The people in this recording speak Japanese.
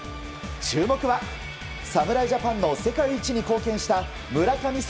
注目は侍ジャパンの世界一に貢献した村神様